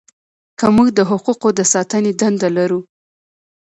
که موږ د حقوقو د ساتنې دنده لرو.